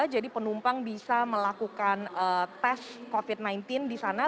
jadi penumpang bisa melakukan tes covid sembilan belas di sana